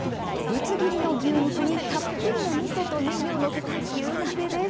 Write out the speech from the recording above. ぶつ切りの牛肉にたっぷりのみそとネギを載せた牛鍋です。